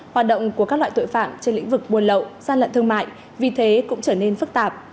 hoạt động của các loại tội phạm trên lĩnh vực buồn lậu gian lận thương mại vì thế cũng trở nên phức tạp